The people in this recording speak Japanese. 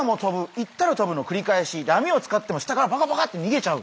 行ったらとぶの繰り返し。で網を使っても下からばかばかって逃げちゃう。